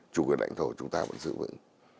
chủ quyền lãnh thổ chúng ta vẫn giữ vững